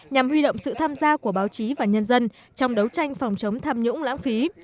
nhằm huy động sự tham gia của báo chí và nhân dân trong đấu tranh phòng chống tham nhũng lãng phí